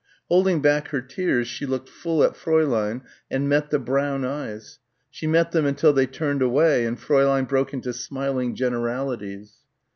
Holding back her tears she looked full at Fräulein and met the brown eyes. She met them until they turned away and Fräulein broke into smiling generalities.